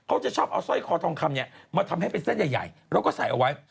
เขาจะชอบเอาสร้อยคอทองคำเนี่ยมาทำให้เป็นเส้นใหญ่แล้วก็ใส่เอาไว้